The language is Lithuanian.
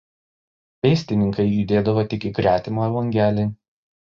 Pėstininkai judėdavo tik į gretimą langelį.